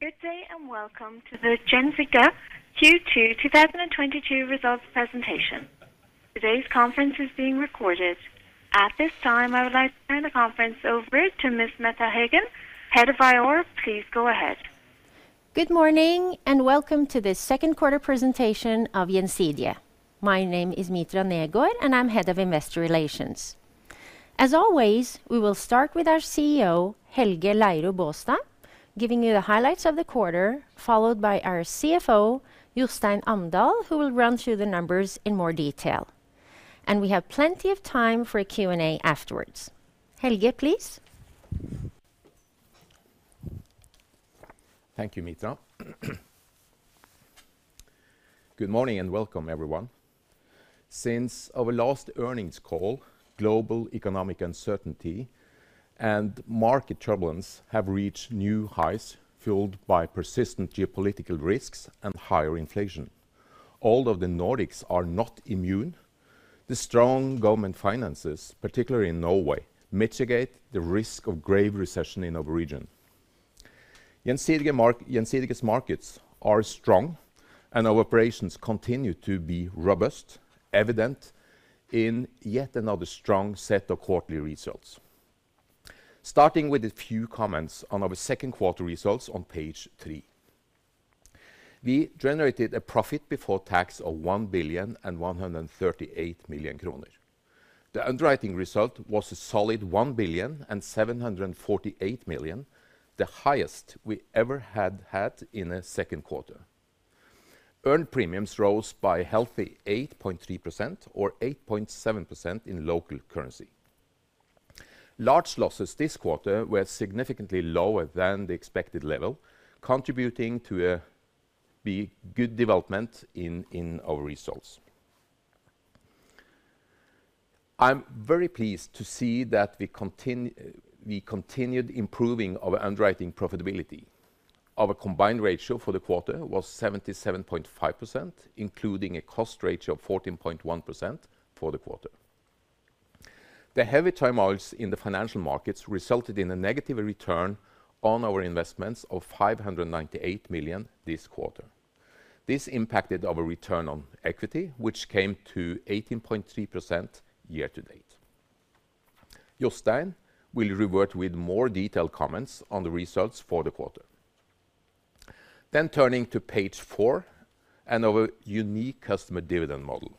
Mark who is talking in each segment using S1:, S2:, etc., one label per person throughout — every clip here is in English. S1: Good day, and welcome to the Gjensidige Q2 2022 results presentation. Today's conference is being recorded. At this time, I would like to turn the conference over to Ms. Mitra Hagen Negård, Head of IR. Please go ahead.
S2: Good morning, and welcome to the second quarter presentation of Gjensidige. My name is Mitra Hagen Negård, and I'm Head of Investor Relations. As always, we will start with our CEO, Helge Leiro Baastad, giving you the highlights of the quarter, followed by our CFO, Jostein Amdal, who will run through the numbers in more detail. We have plenty of time for a Q&A afterwards. Helge, please.
S3: Thank you, Mitra. Good morning, and welcome everyone. Since our last earnings call, global economic uncertainty and market turbulence have reached new highs fueled by persistent geopolitical risks and higher inflation. Although the Nordics are not immune, the strong government finances, particularly in Norway, mitigate the risk of grave recession in our region. Gjensidige's markets are strong, and our operations continue to be robust, evident in yet another strong set of quarterly results. Starting with a few comments on our second quarter results on page three. We generated a profit before tax of 1,138 million kroner. The underwriting result was a solid 1,748 million, the highest we ever had in a second quarter. Earned premiums rose by a healthy 8.3% or 8.7% in local currency. Large losses this quarter were significantly lower than the expected level, contributing to the good development in our results. I'm very pleased to see that we continued improving our underwriting profitability. Our combined ratio for the quarter was 77.5%, including a cost ratio of 14.1% for the quarter. The heavy turmoil in the financial markets resulted in a negative return on our investments of 598 million this quarter. This impacted our return on equity, which came to 18.3% year-to-date. Jostein will revert with more detailed comments on the results for the quarter. Turning to page four and our unique customer dividend model.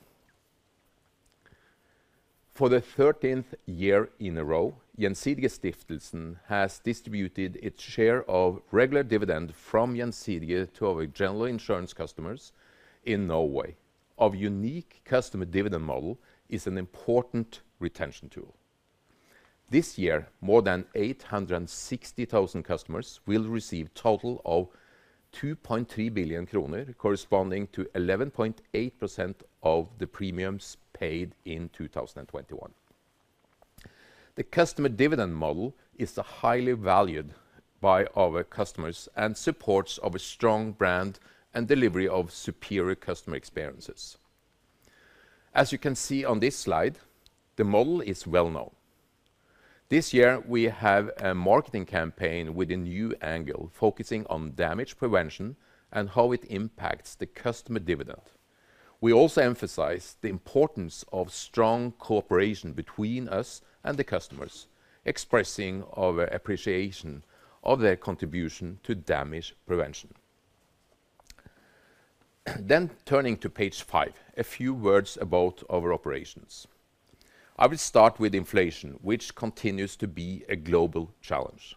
S3: For the 13th year in a row, Gjensidigestiftelsen has distributed its share of regular dividend from Gjensidige to our general insurance customers in Norway. Our unique customer dividend model is an important retention tool. This year, more than 860,000 customers will receive total of 2.3 billion kroner corresponding to 11.8% of the premiums paid in 2021. The customer dividend model is highly valued by our customers and supports our strong brand and delivery of superior customer experiences. As you can see on this slide, the model is well-known. This year, we have a marketing campaign with a new angle focusing on damage prevention and how it impacts the customer dividend. We also emphasize the importance of strong cooperation between us and the customers, expressing our appreciation of their contribution to damage prevention. Turning to page five, a few words about our operations. I will start with inflation, which continues to be a global challenge.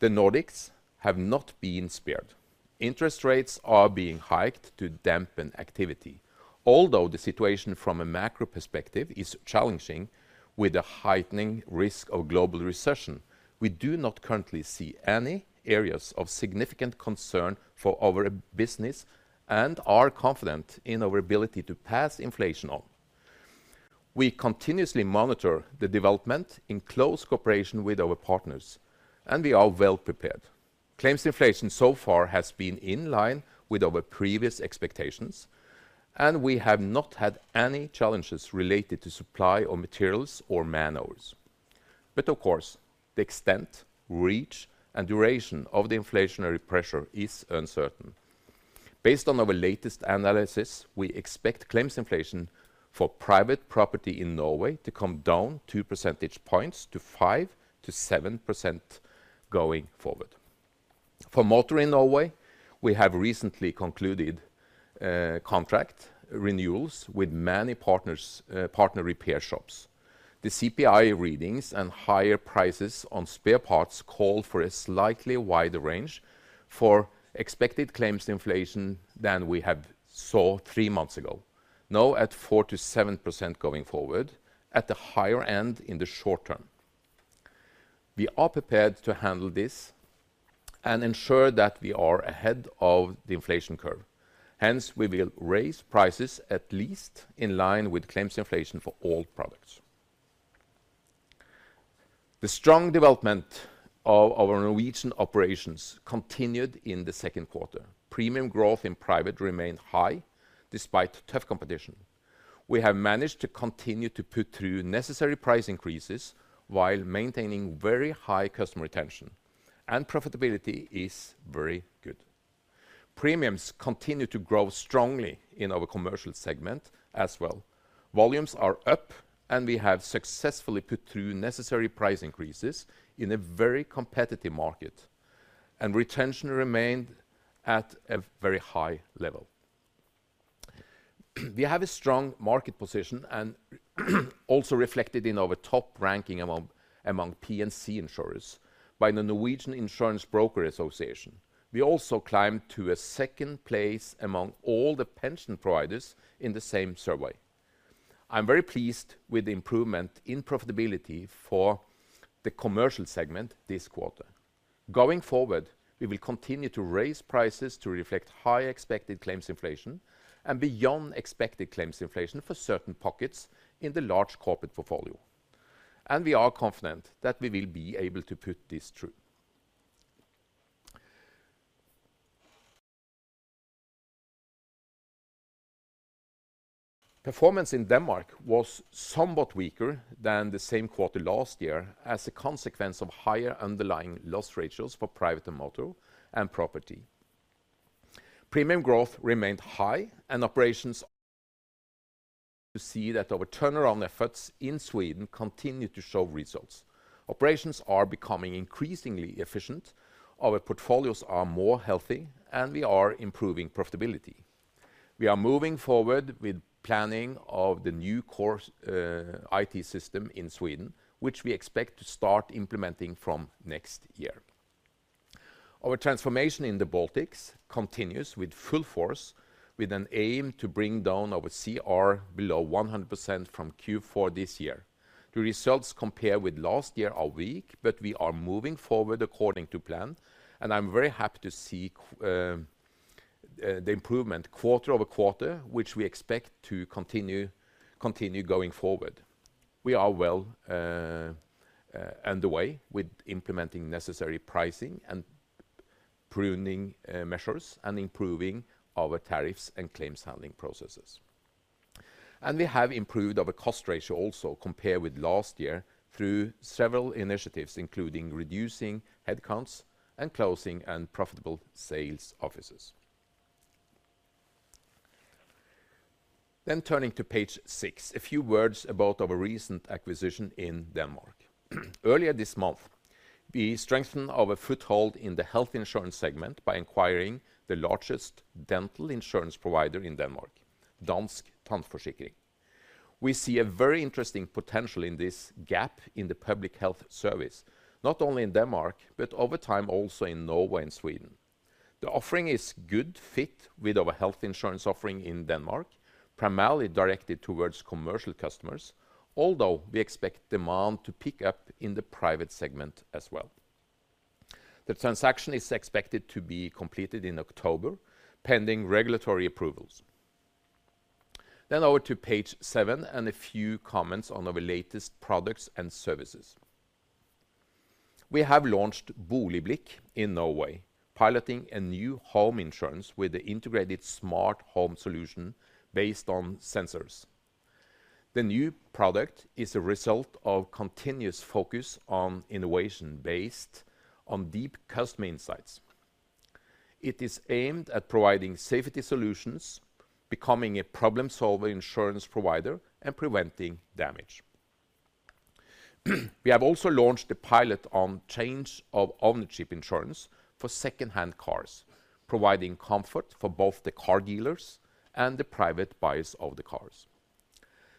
S3: The Nordics have not been spared. Interest rates are being hiked to dampen activity. Although the situation from a macro perspective is challenging with a heightening risk of global recession, we do not currently see any areas of significant concern for our business and are confident in our ability to pass inflation on. We continuously monitor the development in close cooperation with our partners, and we are well prepared. Claims inflation so far has been in line with our previous expectations, and we have not had any challenges related to supply of materials or man-hours. Of course, the extent, reach, and duration of the inflationary pressure is uncertain. Based on our latest analysis, we expect claims inflation for private property in Norway to come down 2 percentage points to 5%-7% going forward. For motor in Norway, we have recently concluded contract renewals with many partners, partner repair shops. The CPI readings and higher prices on spare parts call for a slightly wider range for expected claims inflation than we have seen three months ago, now at 4%-7% going forward, at the higher end in the short term. We are prepared to handle this and ensure that we are ahead of the inflation curve. Hence, we will raise prices at least in line with claims inflation for all products. The strong development of our Norwegian operations continued in the second quarter. Premium growth in private remained high despite tough competition. We have managed to continue to put through necessary price increases while maintaining very high customer retention, and profitability is very good. Premiums continue to grow strongly in our commercial segment as well. Volumes are up, and we have successfully put through necessary price increases in a very competitive market, and retention remained at a very high level. We have a strong market position and also reflected in our top ranking among P&C insurers by the Norwegian Insurance Brokers' Association. We also climbed to a second place among all the pension providers in the same survey. I'm very pleased with the improvement in profitability for the commercial segment this quarter. Going forward, we will continue to raise prices to reflect high expected claims inflation and beyond expected claims inflation for certain pockets in the large corporate portfolio. We are confident that we will be able to put this through. Performance in Denmark was somewhat weaker than the same quarter last year as a consequence of higher underlying loss ratios for private and motor and property. Premium growth remained high, and operations to see that our turnaround efforts in Sweden continue to show results. Operations are becoming increasingly efficient, our portfolios are more healthy, and we are improving profitability. We are moving forward with planning of the new core IT system in Sweden, which we expect to start implementing from next year. Our transformation in the Baltics continues with full force, with an aim to bring down our CR below 100% from Q4 this year. The results compared with last year are weak, but we are moving forward according to plan, and I'm very happy to see the improvement quarter-over-quarter, which we expect to continue going forward. We are underway with implementing necessary pricing and pruning measures and improving our tariffs and claims handling processes. We have improved our cost ratio also compared with last year through several initiatives, including reducing headcounts and closing unprofitable sales offices. Turning to page six, a few words about our recent acquisition in Denmark. Earlier this month, we strengthened our foothold in the health insurance segment by acquiring the largest dental insurance provider in Denmark, Dansk Tandforsikring. We see a very interesting potential in this gap in the public health service, not only in Denmark, but over time also in Norway and Sweden. The offering is a good fit with our health insurance offering in Denmark, primarily directed towards commercial customers, although we expect demand to pick up in the private segment as well. The transaction is expected to be completed in October, pending regulatory approvals. Over to page seven and a few comments on our latest products and services. We have launched BoligBlikk in Norway, piloting a new home insurance with the integrated smart home solution based on sensors. The new product is a result of continuous focus on innovation based on deep customer insights. It is aimed at providing safety solutions, becoming a problem solver insurance provider, and preventing damage. We have also launched a pilot on change of ownership insurance for second-hand cars, providing comfort for both the car dealers and the private buyers of the cars.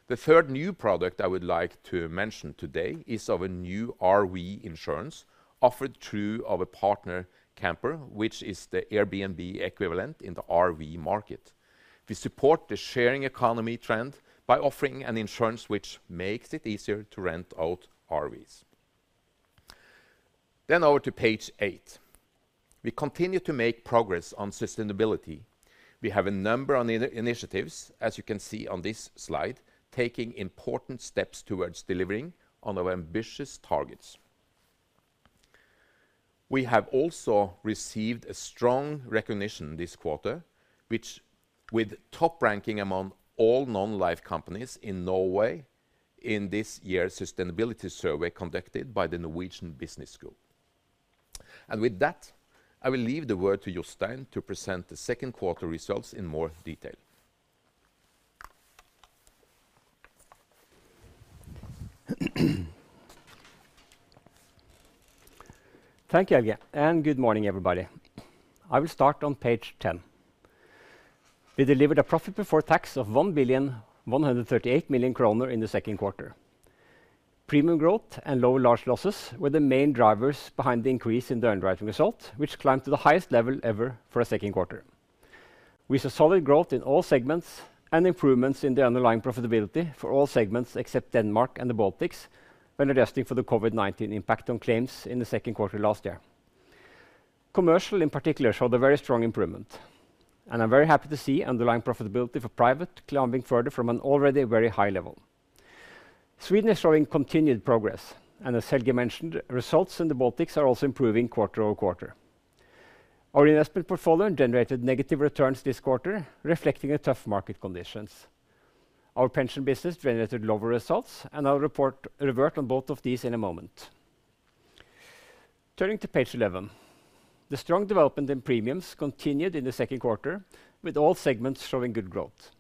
S3: The third new product I would like to mention today is our new RV insurance offered through our partner, Camper, which is the Airbnb equivalent in the RV market. We support the sharing economy trend by offering an insurance which makes it easier to rent out RVs. Over to page eight. We continue to make progress on sustainability. We have a number of initiatives, as you can see on this slide, taking important steps towards delivering on our ambitious targets. We have also received a strong recognition this quarter, with top ranking among all non-life companies in Norway in this year's sustainability survey conducted by BI Norwegian Business School. With that, I will leave the word to Jostein to present the second quarter results in more detail.
S4: Thank you, Helge, and good morning, everybody. I will start on page 10. We delivered a profit before tax of 1,138 million kroner in the second quarter. Premium growth and lower large losses were the main drivers behind the increase in the underwriting result, which climbed to the highest level ever for a second quarter. We saw solid growth in all segments and improvements in the underlying profitability for all segments except Denmark and the Baltics when adjusting for the COVID-19 impact on claims in the second quarter last year. Commercial, in particular, showed a very strong improvement, and I'm very happy to see underlying profitability for private climbing further from an already very high level. Sweden is showing continued progress, and as Helge mentioned, results in the Baltics are also improving quarter-over-quarter. Our investment portfolio generated negative returns this quarter, reflecting the tough market conditions. Our pension business generated lower results, and I'll revert on both of these in a moment. Turning to page 11. The strong development in premiums continued in the second quarter, with all segments showing good growth.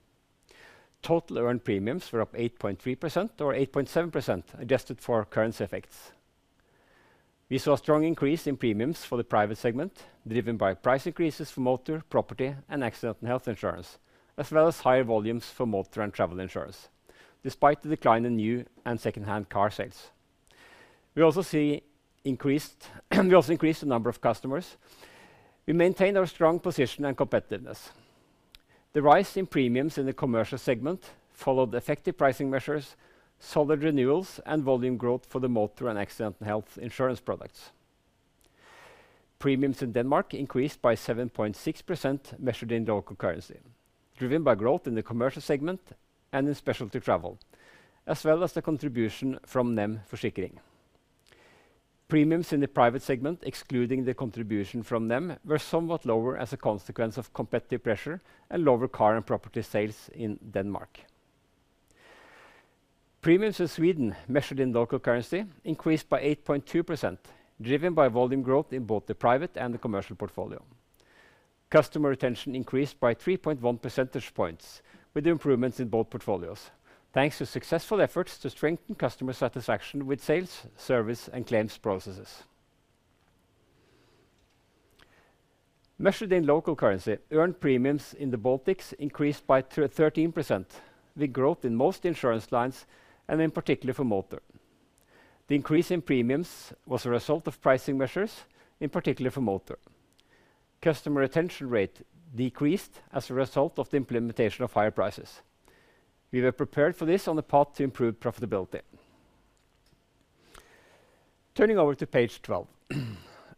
S4: Total earned premiums were up 8.3% or 8.7% adjusted for currency effects. We saw a strong increase in premiums for the private segment, driven by price increases for motor, property, and accident and health insurance, as well as higher volumes for motor and travel insurance, despite the decline in new and secondhand car sales. We also increased the number of customers. We maintained our strong position and competitiveness. The rise in premiums in the commercial segment followed effective pricing measures, solid renewals, and volume growth for the motor and accident and health insurance products. Premiums in Denmark increased by 7.6% measured in local currency, driven by growth in the commercial segment and in specialty travel, as well as the contribution from Nem Forsikring. Premiums in the private segment, excluding the contribution from Nem, were somewhat lower as a consequence of competitive pressure and lower car and property sales in Denmark. Premiums in Sweden, measured in local currency, increased by 8.2%, driven by volume growth in both the private and the commercial portfolio. Customer retention increased by 3.1 percentage points, with improvements in both portfolios, thanks to successful efforts to strengthen customer satisfaction with sales, service, and claims processes. Measured in local currency, earned premiums in the Baltics increased by 13%, with growth in most insurance lines and in particular for motor. The increase in premiums was a result of pricing measures, in particular for motor. Customer retention rate decreased as a result of the implementation of higher prices. We were prepared for this on the path to improved profitability. Turning over to page 12.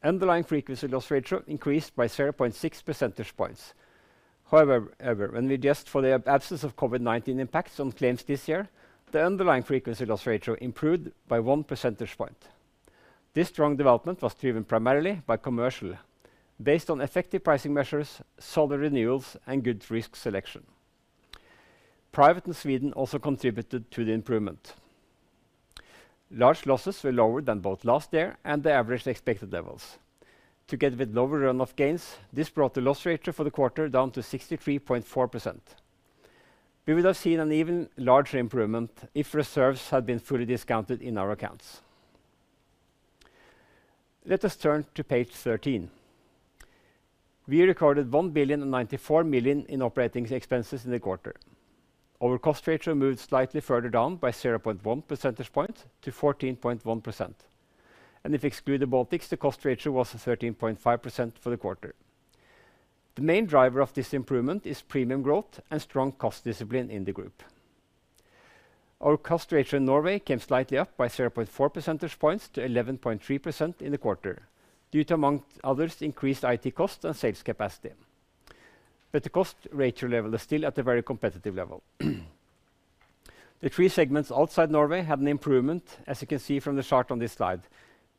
S4: Underlying frequency loss ratio increased by 0.6 percentage points. However, when we adjust for the absence of COVID-19 impacts on claims this year, the underlying frequency loss ratio improved by 1 percentage point. This strong development was driven primarily by commercial. Based on effective pricing measures, solid renewals, and good risk selection. Private in Sweden also contributed to the improvement. Large losses were lower than both last year and the average expected levels. Together with lower run-off gains, this brought the loss ratio for the quarter down to 63.4%. We would have seen an even larger improvement if reserves had been fully discounted in our accounts. Let us turn to page 13. We recorded 1,094 million in operating expenses in the quarter. Our cost ratio moved slightly further down by 0.1 percentage points to 14.1%. If we exclude the Baltics, the cost ratio was 13.5% for the quarter. The main driver of this improvement is premium growth and strong cost discipline in the group. Our cost ratio in Norway came slightly up by 0.4 percentage points to 11.3% in the quarter due to, among others, increased IT cost and sales capacity. The cost ratio level is still at a very competitive level. The three segments outside Norway had an improvement, as you can see from the chart on this slide,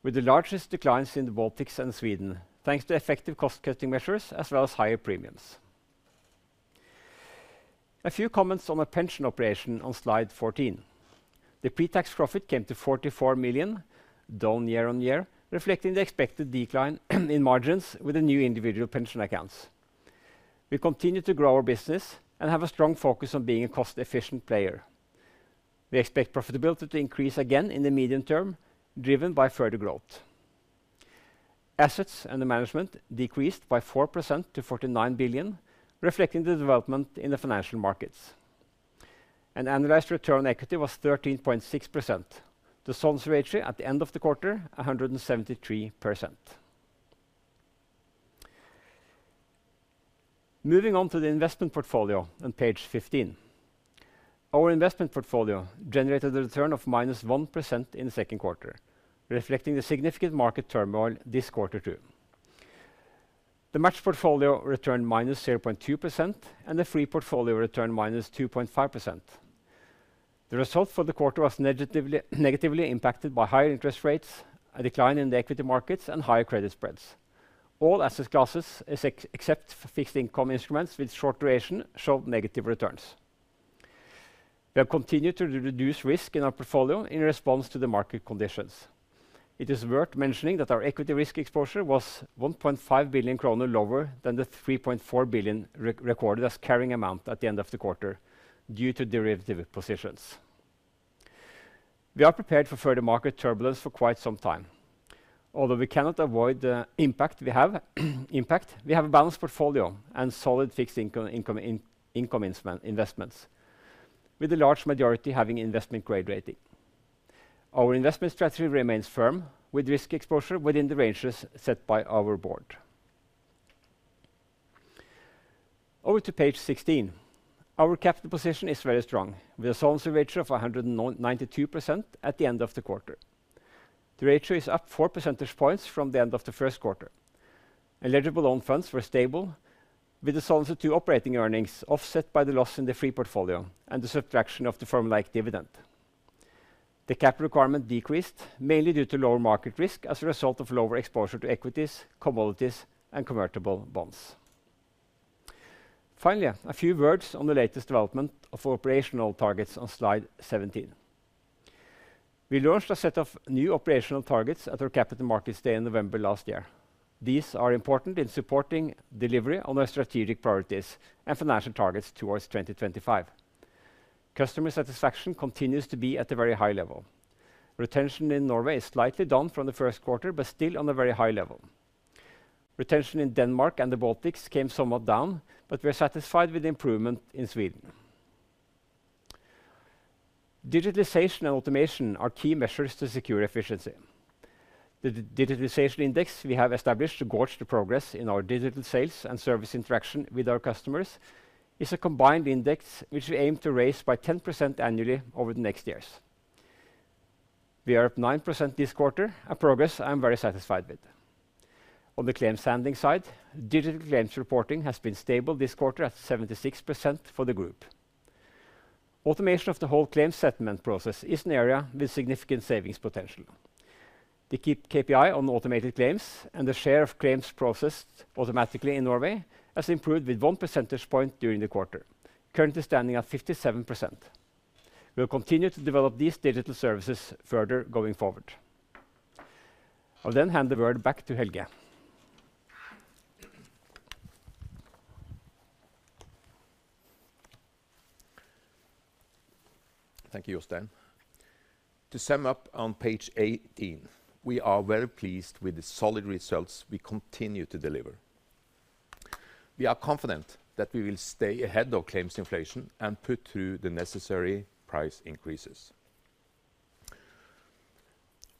S4: with the largest declines in the Baltics and Sweden, thanks to effective cost-cutting measures as well as higher premiums. A few comments on the pension operation on slide 14. The pre-tax profit came to 44 million, down year-over-year, reflecting the expected decline in margins with the new individual pension accounts. We continue to grow our business and have a strong focus on being a cost-efficient player. We expect profitability to increase again in the medium term, driven by further growth. Assets under management decreased by 4% to 49 billion, reflecting the development in the financial markets. An annualized return on equity was 13.6%. The solvency ratio at the end of the quarter, 173%. Moving on to the investment portfolio on page 15. Our investment portfolio generated a return of -1% in the second quarter, reflecting the significant market turmoil this quarter too. The matched portfolio returned -0.2%, and the free portfolio returned -2.5%. The result for the quarter was negatively impacted by higher interest rates, a decline in the equity markets, and higher credit spreads. All asset classes except for fixed income instruments with short duration showed negative returns. We have continued to reduce risk in our portfolio in response to the market conditions. It is worth mentioning that our equity risk exposure was 1.5 billion kroner lower than the 3.4 billion recorded as carrying amount at the end of the quarter due to derivative positions. We are prepared for further market turbulence for quite some time. Although we cannot avoid the impact, we have a balanced portfolio and solid fixed income investments, with a large majority having investment grade rating. Our investment strategy remains firm, with risk exposure within the ranges set by our board. Over to page 16. Our capital position is very strong, with a solvency ratio of 192% at the end of the quarter. The ratio is up 4 percentage points from the end of the first quarter. Eligible loan funds were stable with the solvency to operating earnings offset by the loss in the free portfolio and the subtraction of the firm-like dividend. The capital requirement decreased mainly due to lower market risk as a result of lower exposure to equities, commodities, and convertible bonds. Finally, a few words on the latest development of operational targets on slide 17. We launched a set of new operational targets at our capital markets day in November last year. These are important in supporting delivery on our strategic priorities and financial targets towards 2025. Customer satisfaction continues to be at a very high level. Retention in Norway is slightly down from the first quarter, but still on a very high level. Retention in Denmark and the Baltics came somewhat down, but we're satisfied with the improvement in Sweden. Digitalization and automation are key measures to secure efficiency. The digitalization index we have established to gauge the progress in our digital sales and service interaction with our customers is a combined index which we aim to raise by 10% annually over the next years. We are up 9% this quarter, a progress I am very satisfied with. On the claims handling side, digital claims reporting has been stable this quarter at 76% for the group. Automation of the whole claims settlement process is an area with significant savings potential. The key KPI on automated claims and the share of claims processed automatically in Norway has improved with 1 percentage point during the quarter, currently standing at 57%. We'll continue to develop these digital services further going forward. I'll then hand the word back to Helge.
S3: Thank you, Jostein. To sum up on page 18, we are very pleased with the solid results we continue to deliver. We are confident that we will stay ahead of claims inflation and put through the necessary price increases.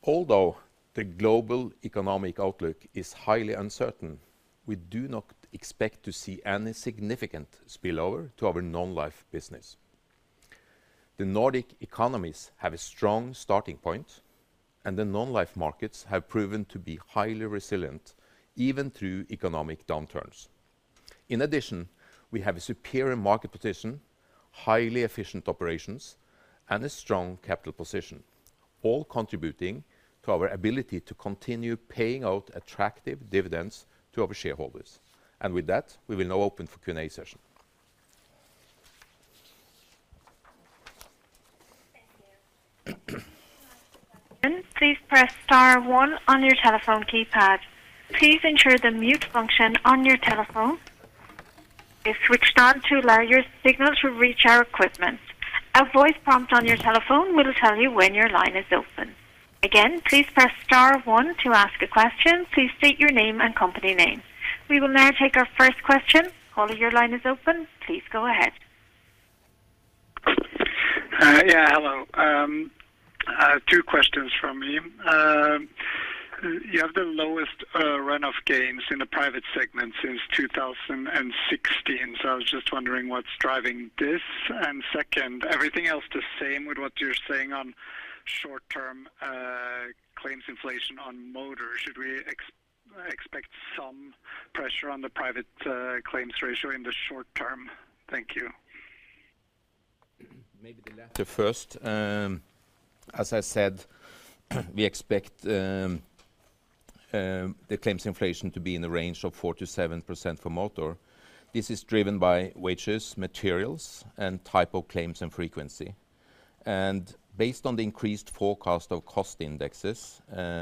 S3: Although the global economic outlook is highly uncertain, we do not expect to see any significant spillover to our non-life business. The Nordic economies have a strong starting point, and the non-life markets have proven to be highly resilient even through economic downturns. In addition, we have a superior market position, highly efficient operations, and a strong capital position, all contributing to our ability to continue paying out attractive dividends to our shareholders. With that, we will now open for Q&A session.
S1: Thank you. Please press star one on your telephone keypad. Please ensure the mute function on your telephone is switched on to allow your signal to reach our equipment. A voice prompt on your telephone will tell you when your line is open. Again, please press star one to ask a question. Please state your name and company name. We will now take our first question. Caller, your line is open. Please go ahead.
S5: Yeah, hello. Two questions from me. You have the lowest run-off gains in the private segment since 2016. I was just wondering what's driving this. Second, everything else the same with what you're saying on short-term claims inflation on motor. Should we expect some pressure on the private claims ratio in the short term? Thank you.
S3: The first, as I said, we expect the claims inflation to be in the range of 4%-7% for motor. This is driven by wages, materials, and type of claims and frequency. Based on the increased forecast of cost indexes,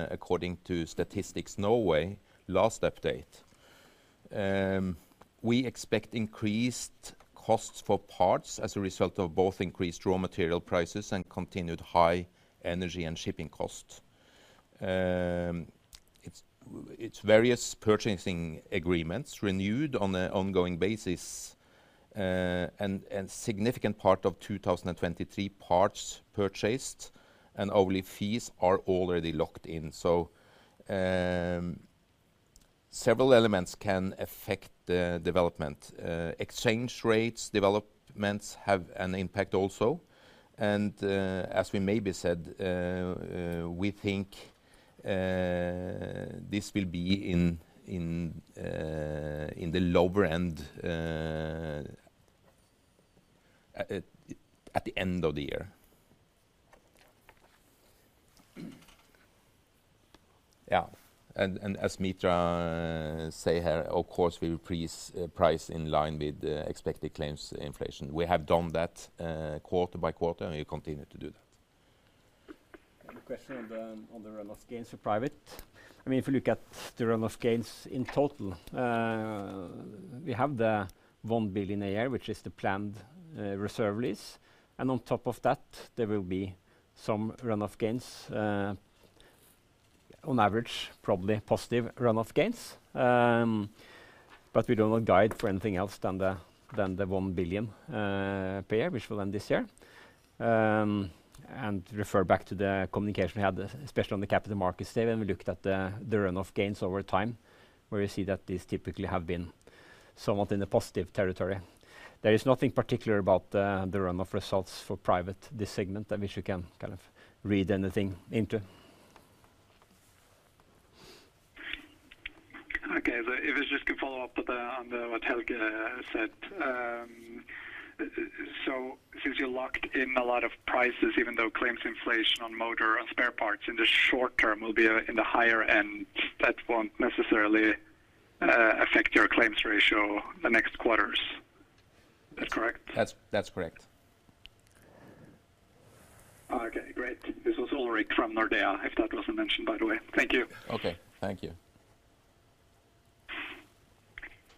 S3: according to Statistics Norway last update, we expect increased costs for parts as a result of both increased raw material prices and continued high energy and shipping costs. It's various purchasing agreements renewed on an ongoing basis, and significant part of 2023 parts purchases and tooling fees are already locked in. Several elements can affect the development. Exchange rate developments have an impact also. As we maybe said, we think this will be in the lower end at the end of the year. Yeah. As Mitra say here, of course, we will price in line with the expected claims inflation. We have done that, quarter-by-quarter, and we continue to do that.
S4: The question on the run-off gains for private. I mean, if you look at the run-off gains in total, we have the 1 billion a year, which is the planned reserve release. On top of that, there will be some run-off gains, on average, probably positive run-off gains. But we do not guide for anything else than the 1 billion per year, which will end this year. Refer back to the communication we had, especially on the capital markets day, when we looked at the run-off gains over time, where you see that these typically have been somewhat in the positive territory. There is nothing particular about the run-off results for private, this segment, I wish you can kind of read anything into.
S5: If I just can follow up on what Helge said. Since you locked in a lot of prices, even though claims inflation on motor or spare parts in the short term will be in the higher end, that won't necessarily affect your claims ratio the next quarters. Is that correct?
S3: That's correct.
S5: Okay, great. This was Ulrik Zürcher from Nordea, if that wasn't mentioned, by the way. Thank you.
S3: Okay, thank you.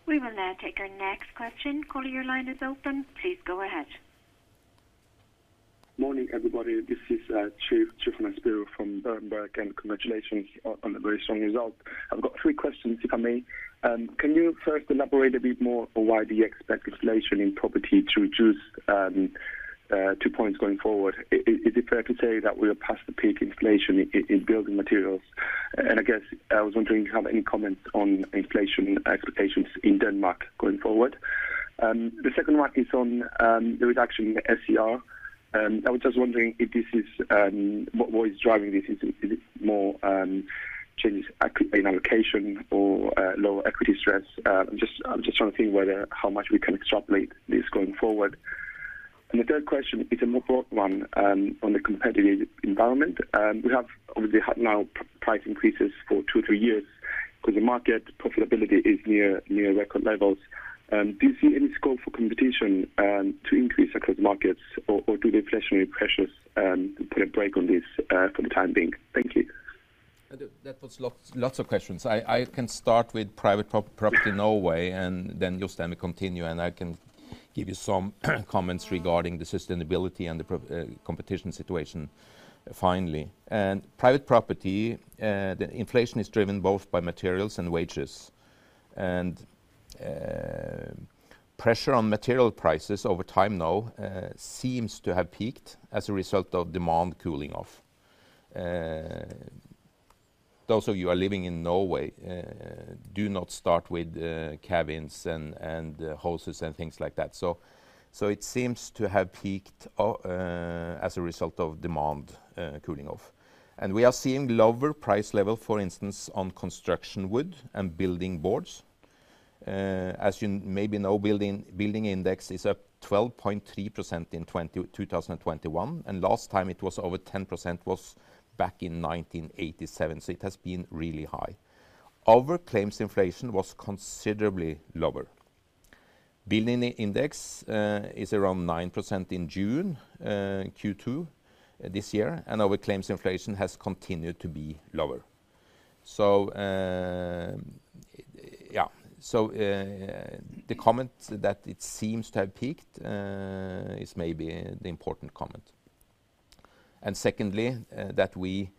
S1: We will now take our next question. Caller, your line is open. Please go ahead.
S6: Morning, everybody. This is Trygve Manshaus from Berenberg, and congratulations on the very strong result. I've got three questions, if I may. Can you first elaborate a bit more on why do you expect inflation in property to reduce 2 points going forward? Is it fair to say that we are past the peak inflation in building materials? I guess I was wondering if you have any comments on inflation expectations in Denmark going forward. The second one is on the reduction in the SCR. I was just wondering if this is. What is driving this? Is it more changes in allocation or lower equity stress? I'm just trying to think whether how much we can extrapolate this going forward. The third question is a more broad one, on the competitive environment. We have obviously had now price increases for 2-3 years because the market profitability is near record levels. Do you see any scope for competition to increase across markets or do the inflationary pressures put a brake on this for the time being? Thank you.
S3: That was lots of questions. I can start with private property Norway, and then Jostein will continue, and I can give you some comments regarding the sustainability and the competition situation finally. Private property, the inflation is driven both by materials and wages. Pressure on material prices over time now seems to have peaked as a result of demand cooling off. Those of you are living in Norway do not start with cabins and houses and things like that. It seems to have peaked as a result of demand cooling off. We are seeing lower price level, for instance, on construction wood and building boards. As you maybe know, building index is up 12.3% in 2021, and last time it was over 10% was back in 1987. It has been really high. Our claims inflation was considerably lower. Building index is around 9% in June, Q2 this year, and our claims inflation has continued to be lower. Yeah. The comment that it seems to have peaked is maybe the important comment. Secondly, that we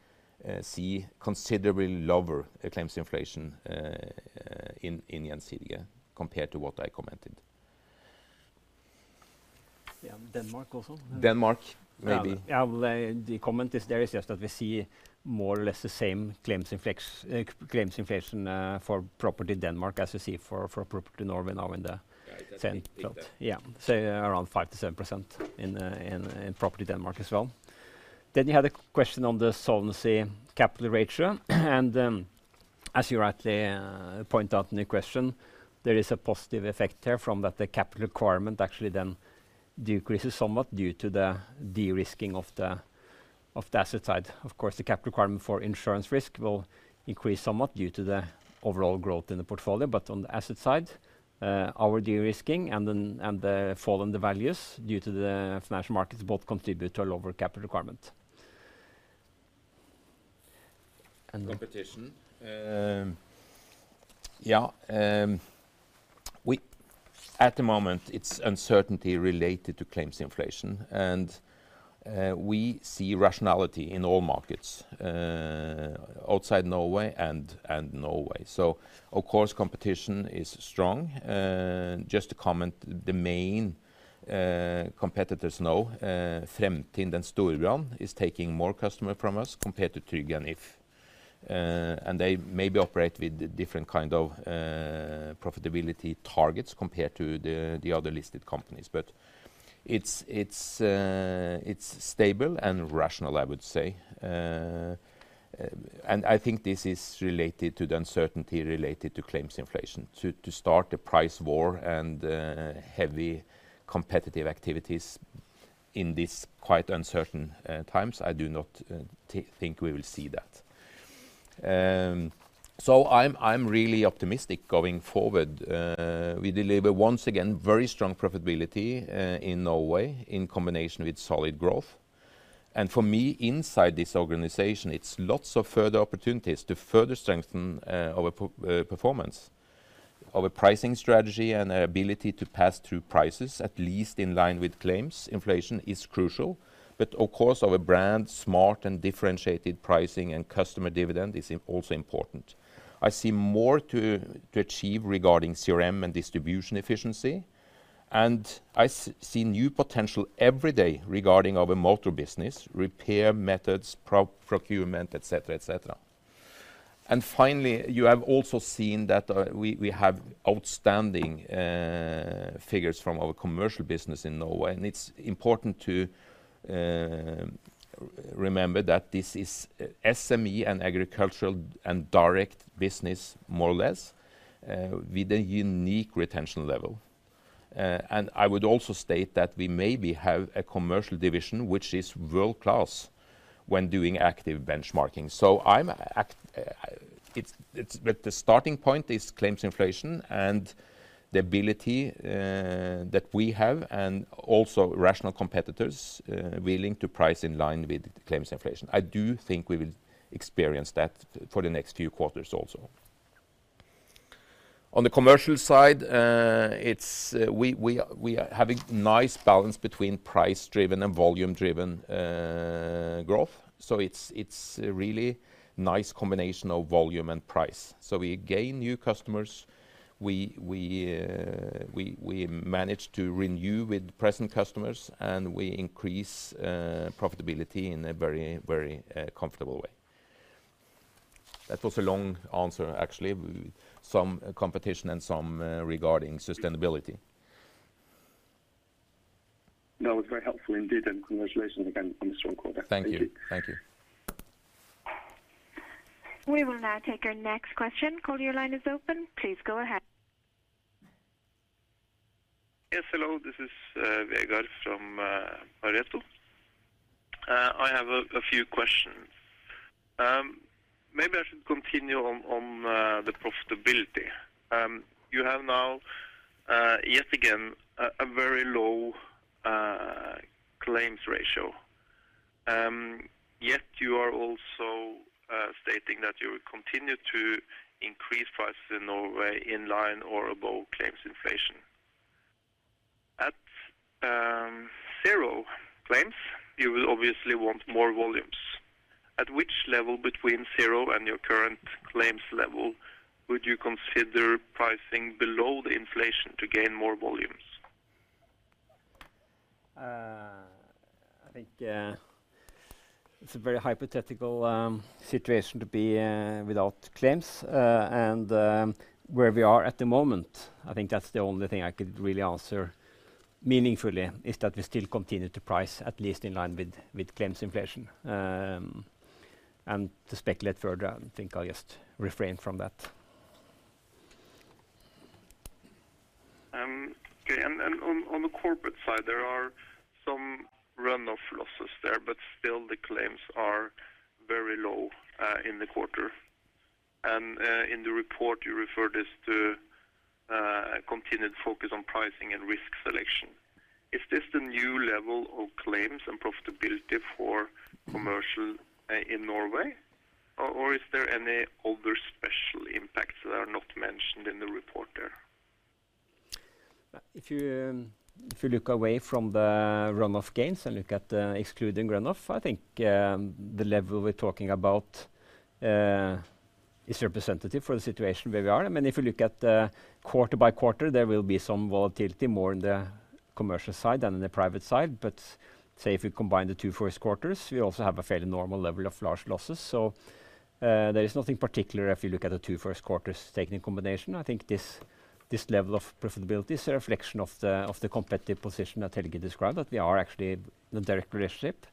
S3: see considerably lower claims inflation in Gjensidige compared to what I commented.
S4: Yeah. Denmark also.
S3: Denmark, maybe.
S4: Yeah. Well, the comment is there is just that we see more or less the same claims inflation for property Denmark as we see for property Norway now in the same plot.
S3: Yeah, it has been similar.
S4: Yeah. Say around 5%-7% in property Denmark as well. Then you had a question on the solvency capital ratio. As you rightly point out in your question, there is a positive effect there from that the capital requirement actually then decreases somewhat due to the de-risking of the asset side. Of course, the capital requirement for insurance risk will increase somewhat due to the overall growth in the portfolio. On the asset side, our de-risking and the fall in the values due to the financial markets both contribute to a lower capital requirement.
S3: Competition. At the moment, it's uncertainty related to claims inflation. We see rationality in all markets outside Norway and Norway. Of course, competition is strong. Just to comment, the main competitors now, Fremtind and Storebrand, is taking more customer from us compared to Tryg and If. They maybe operate with different kind of profitability targets compared to the other listed companies. It's stable and rational, I would say. I think this is related to the uncertainty related to claims inflation. To start a price war and heavy competitive activities in this quite uncertain times, I do not think we will see that. I'm really optimistic going forward. We deliver once again very strong profitability in Norway in combination with solid growth. For me, inside this organization, it's lots of further opportunities to further strengthen our performance. Our pricing strategy and ability to pass through prices, at least in line with claims inflation, is crucial. Of course, our brand, smart and differentiated pricing, and customer dividend is also important. I see more to achieve regarding CRM and distribution efficiency, and I see new potential every day regarding our motor business, repair methods, procurement, etc. Finally, you have also seen that we have outstanding figures from our commercial business in Norway. It's important to remember that this is SME and agricultural and direct business more or less with a unique retention level. I would also state that we maybe have a commercial division which is world-class when doing active benchmarking. The starting point is claims inflation and the ability that we have and also rational competitors willing to price in line with claims inflation. I do think we will experience that for the next few quarters also. On the commercial side, we are having nice balance between price driven and volume driven growth. It's a really nice combination of volume and price. We gain new customers, we manage to renew with present customers and we increase profitability in a very comfortable way. That was a long answer, actually. Some competition and some regarding sustainability.
S6: That was very helpful indeed, and congratulations again on the strong quarter.
S3: Thank you.
S6: Thank you.
S3: Thank you.
S1: We will now take our next question. Caller, your line is open. Please go ahead.
S7: Yes, hello, this is Vegard from Pareto. I have a few questions. Maybe I should continue on the profitability. You have now yet again a very low claims ratio. Yet you are also stating that you will continue to increase prices in Norway in line or above claims inflation. At zero claims, you will obviously want more volumes. At which level between zero and your current claims level would you consider pricing below the inflation to gain more volumes?
S4: I think it's a very hypothetical situation to be without claims. Where we are at the moment, I think that's the only thing I could really answer meaningfully, is that we still continue to price at least in line with claims inflation. To speculate further, I think I'll just refrain from that.
S7: Okay. On the corporate side, there are some run-off losses there, but still the claims are very low in the quarter. In the report, you refer to this continued focus on pricing and risk selection. Is this the new level of claims and profitability for commercial in Norway? Or is there any other special impacts that are not mentioned in the report there?
S4: If you look away from the run-off gains and look at excluding run-off, I think the level we're talking about is representative for the situation where we are. I mean, if you look at quarter-by-quarter, there will be some volatility more in the commercial side than in the private side. Say if we combine the two first quarters, we also have a fairly normal level of large losses. There is nothing particular if you look at the two first quarters taken in combination. I think this level of profitability is a reflection of the competitive position that Helge described, that we are actually the direct relationship,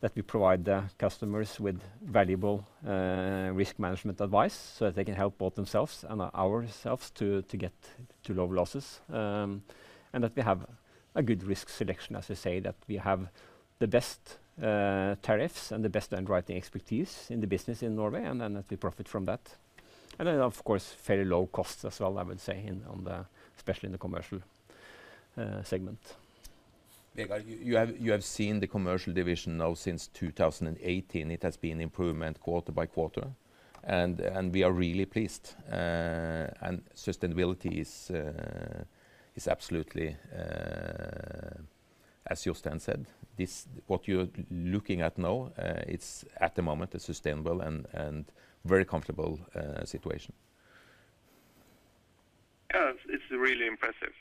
S4: that we provide the customers with valuable risk management advice, so that they can help both themselves and ourselves to get to low losses. that we have a good risk selection, as I say, that we have the best tariffs and the best underwriting expertise in the business in Norway, and then that we profit from that. Then, of course, fairly low costs as well, I would say, especially in the commercial segment.
S3: Vegard, you have seen the commercial division now since 2018. It has been improvement quarter-by-quarter. We are really pleased. Sustainability is absolutely, as Jostein said, what you're looking at now. It's at the moment a sustainable and very comfortable situation.
S7: Yeah. It's really impressive.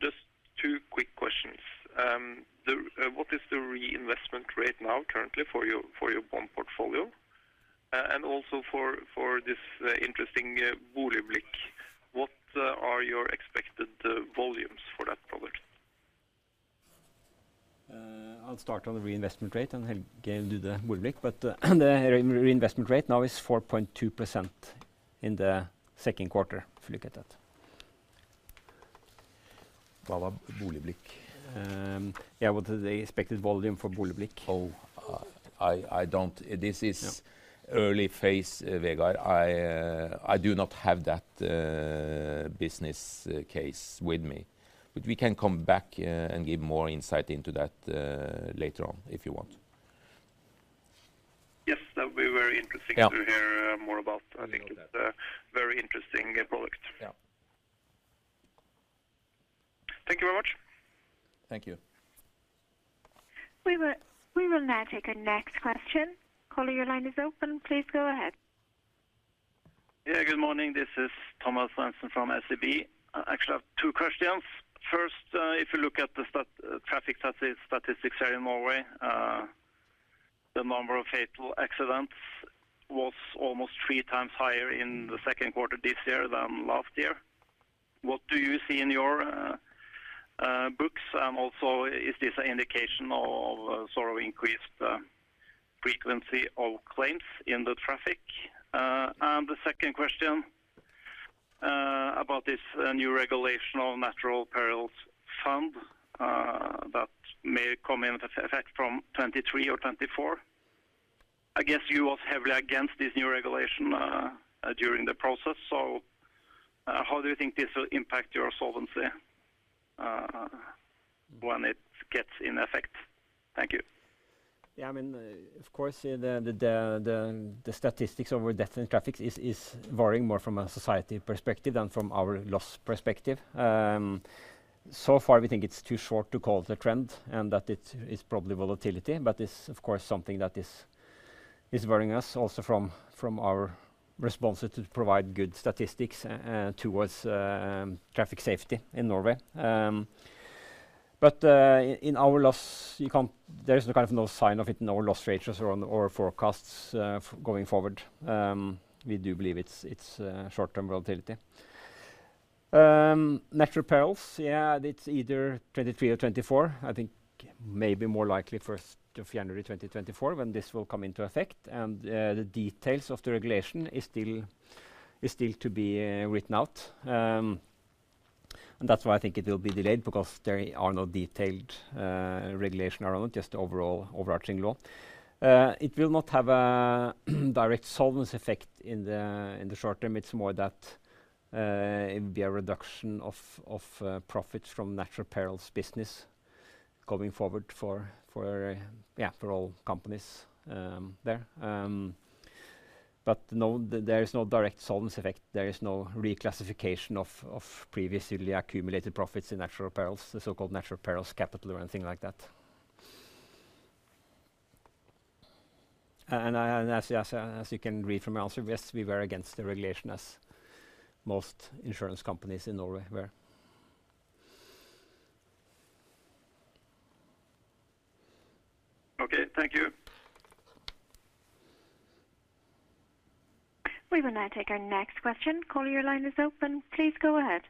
S7: Just two quick questions. What is the reinvestment rate now currently for your bond portfolio? And also for this interesting BoligBlikk, what are your expected volumes for that product?
S4: I'll start on the reinvestment rate and Helge will do the BoligBlikk. The reinvestment rate now is 4.2% in the second quarter, if you look at that.
S3: What about BoligBlikk?
S4: What is the expected volume for BoligBlikk?
S3: Oh, I don't. This is
S4: No.
S3: Early phase, Vegard. I do not have that business case with me. But we can come back and give more insight into that later on if you want.
S7: Yes. That would be very interesting.
S3: Yeah.
S7: to hear more about.
S3: We know that.
S7: I think it's a very interesting product.
S3: Yeah.
S7: Thank you very much.
S3: Thank you.
S1: We will now take our next question. Caller, your line is open. Please go ahead.
S8: Yeah, good morning. This is Thomas Svendsen from SEB. I actually have two questions. First, if you look at the traffic statistics here in Norway, the number of fatal accidents was almost 3x higher in the second quarter this year than last year. What do you see in your, also is this an indication of sort of increased frequency of claims in the traffic? And the second question, about this new regulation on natural perils fund, that may come into effect from 2023 or 2024. I guess you was heavily against this new regulation during the process. How do you think this will impact your solvency when it gets in effect? Thank you.
S4: I mean, of course, the statistics over death in traffic is varying more from a society perspective than from our loss perspective. So far we think it's too short to call the trend and that it's probably volatility, but it's of course something that is worrying us also from our responses to provide good statistics towards traffic safety in Norway. In our loss, there is kind of no sign of it in our loss ratios or forecasts going forward. We do believe it's short-term volatility. Natural perils. It's either 2023 or 2024. I think maybe more likely 1st of January 2024 when this will come into effect and the details of the regulation is still to be written out. That's why I think it'll be delayed because there are no detailed regulation around it, just the overall overarching law. It will not have a direct solvency effect in the short term. It's more that it would be a reduction of profits from natural perils business going forward for all companies there. No, there is no direct solvency effect. There is no reclassification of previously accumulated profits in natural perils, the so-called natural perils capital or anything like that. As you can read from my answer, yes, we were against the regulation as most insurance companies in Norway were.
S8: Okay, thank you.
S1: We will now take our next question. Caller, your line is open. Please go ahead.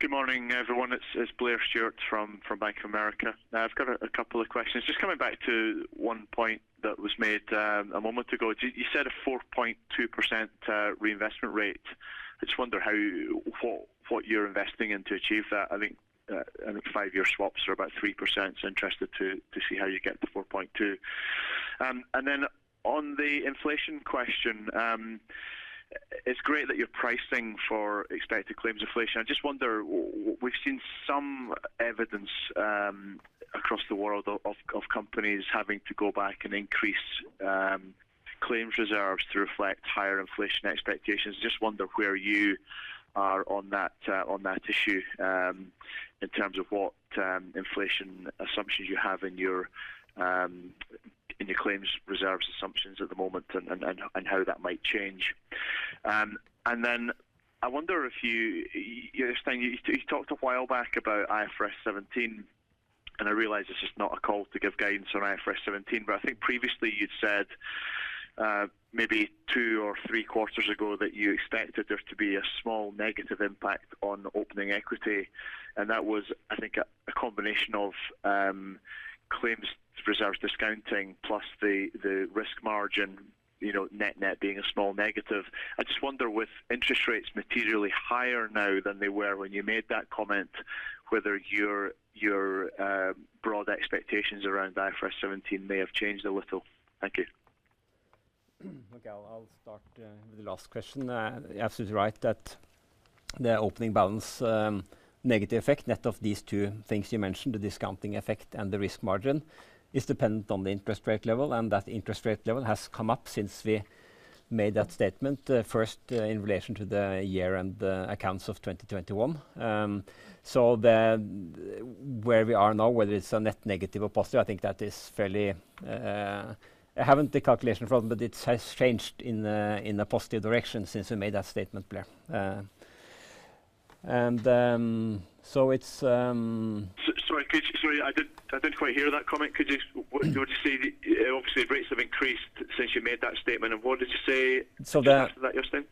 S9: Good morning, everyone. It's Blair Stewart from Bank of America. I've got a couple of questions. Just coming back to one point that was made, a moment ago. You said a 4.2% reinvestment rate. I just wonder how, what you're investing in to achieve that. I think five-year swaps are about 3%, so interested to see how you get to 4.2. And then on the inflation question, it's great that you're pricing for expected claims inflation. I just wonder, we've seen some evidence across the world of companies having to go back and increase claims reserves to reflect higher inflation expectations. Just wonder where you are on that, on that issue, in terms of what, inflation assumptions you have in your, in your claims reserves assumptions at the moment and how that might change. I wonder if you, Jostein, you talked a while back about IFRS 17, and I realize this is not a call to give guidance on IFRS 17. I think previously you'd said, maybe two or three quarters ago that you expected there to be a small negative impact on opening equity, and that was I think a combination of, claims reserves discounting plus the risk margin, you know, net-net being a small negative. I just wonder with interest rates materially higher now than they were when you made that comment, whether your broad expectations around IFRS 17 may have changed a little. Thank you.
S4: Okay. I'll start with the last question. You're absolutely right that the opening balance negative effect net of these two things you mentioned, the discounting effect and the risk margin, is dependent on the interest rate level, and that interest rate level has come up since we made that statement first in relation to the year and the accounts of 2021. Where we are now, whether it's a net negative or positive, I think that is fairly. I haven't the calculation in front of me, but it has changed in a positive direction since we made that statement, Blair. It's
S9: Sorry, could you? Sorry, I didn't quite hear that comment. Could you? Would you say that obviously rates have increased since you made that statement? What did you say?
S4: So the-
S9: After that, Jostein?